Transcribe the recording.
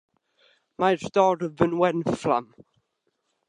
Mae'r dorf yn wenfflam.